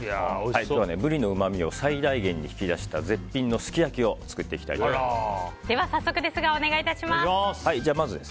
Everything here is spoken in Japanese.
ブリのうまみを最大限に生かした絶品のすき焼きを作っていきたいと思います。